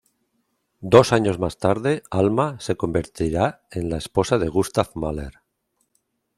Dos años más tarde, Alma se convertirá en la esposa de Gustav Mahler.